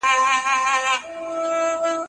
ماشوم هڅه کوله چې د انا پام لوبو ته واړوي.